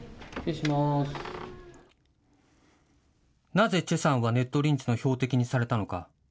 なぜ、崔さんはネットリンチの標的にされたのか。